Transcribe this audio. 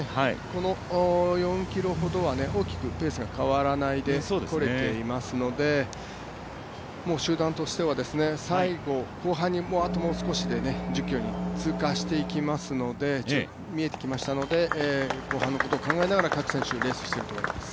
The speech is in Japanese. この４ｋｍほどは大きくペースが変わらないでこれていますので集団としては最後後半、もう少しで１０ｋｍに通過していきますので見えてきましたので後半のことを考えながら各選手、プレーしていると思います。